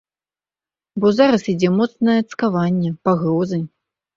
Бо зараз ідзе моцнае цкаванне, пагрозы.